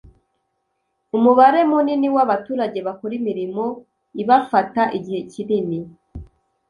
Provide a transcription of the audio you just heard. umubare munini w'abaturage bakora imirimo ibafata igihe kinini.